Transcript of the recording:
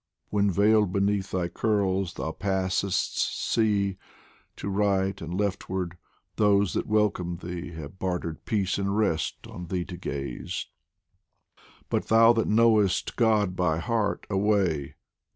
When veiled beneath thy curls thou passest, see, To right and leftward those that welcome thee Have bartered peace and rest on thee to gaze ! But thou that knowest God by heart, away